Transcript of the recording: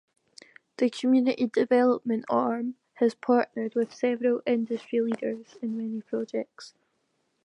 The community development arm has partnered with several industry leaders in many projects.